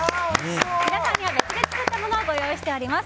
皆さんには別で作ったものをご用意しております。